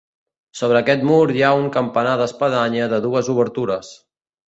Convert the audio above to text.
Sobre aquest mur hi ha un campanar d'espadanya de dues obertures.